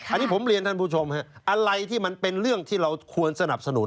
อันนี้ผมเรียนท่านผู้ชมฮะอะไรที่มันเป็นเรื่องที่เราควรสนับสนุน